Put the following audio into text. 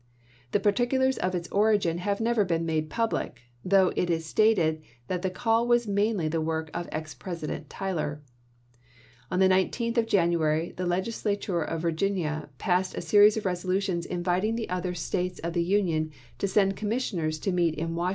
The particulars of its origin have never been made public, though it is stated that the call was mainly the work of ex President Tyler. On the 19th of January the Legislature of Virginia passed a series of resolutions inviting the other States of the Union to send commissioners to meet in Wash Henry A.